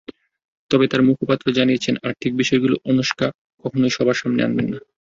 তবে তাঁর মুখপাত্র জানিয়েছেন, আর্থিক বিষয়গুলো আনুশকা কখনোই সবার সামনে আনবেন না।